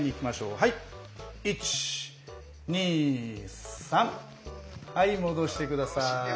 はい戻して下さい。